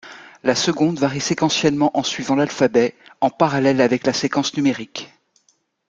La seconde varie séquentiellement en suivant l'alphabet, en parallèle avec la séquence numérique.